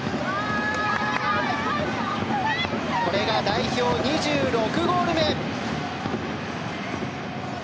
これが代表２６ゴール目。